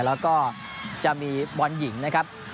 แล้วก็จะมีบอลหญิงนะครับ